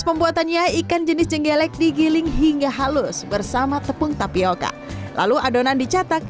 pembuatannya ikan jenis jenggelek digiling hingga halus bersama tepung tapioca lalu adonan dicetak